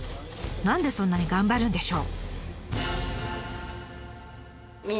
何でそんなに頑張るんでしょう？